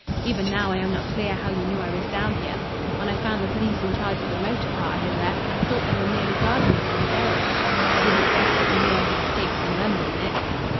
Even now I am not clear how you knew I was down here. When I found the police in charge of the motor car I had left I thought they were merely guarding it as a derelict. I did not guess that you knew I had escaped from London in it."